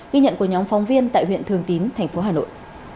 ghi nhận của nhóm phóng viên tại huyện thường tín thành phố hà nội